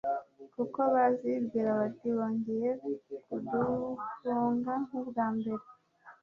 kuko bazibwira bati bongeye kuduhunga nk'ubwa mbere'